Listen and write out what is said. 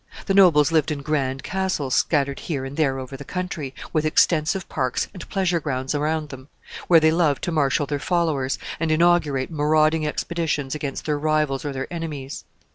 The nobles lived in grand castles scattered here and there over the country, with extensive parks and pleasure grounds around them, where they loved to marshal their followers, and inaugurate marauding expeditions against their rivals or their enemies.